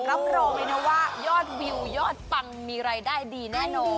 รับรองเลยนะว่ายอดวิวยอดปังมีรายได้ดีแน่นอน